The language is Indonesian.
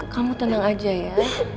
kamu tenang aja ya